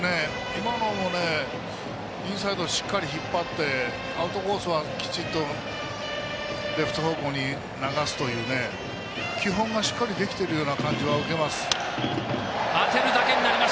今のも、インサイドしっかり引っ張ってアウトコースはきちっとレフト方向に流すというね基本がしっかりとできているような感じは受けます。